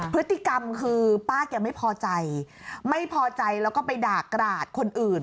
พฤติกรรมคือป้าแกไม่พอใจไม่พอใจแล้วก็ไปด่ากราดคนอื่น